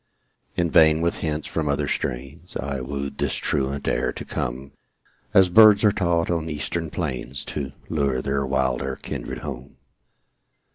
In vain with hints from other strains I wooed this truant air to come As birds are taught on eastern plains To lure their wilder kindred home.